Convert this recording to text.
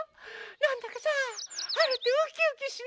なんだかさはるってウキウキしない？